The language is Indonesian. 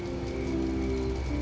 kalau ada award yang akan posterior ini